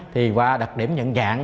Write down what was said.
thì qua đặc điểm nhận dạng